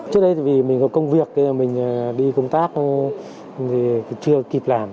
trước đây thì vì mình có công việc mình đi công tác thì chưa kịp làm